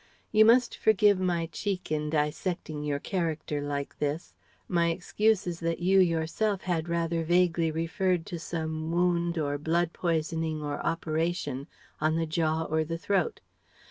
You must forgive my cheek in dissecting your character like this. My excuse is that you yourself had rather vaguely referred to some wound or blood poisoning or operation, on the jaw or the throat.